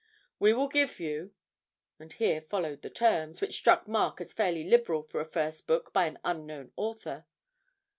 We will give you ...' (and here followed the terms, which struck Mark as fairly liberal for a first book by an unknown author).